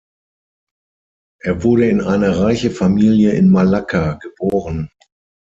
Er wurde in eine reiche Familie in Malakka geboren.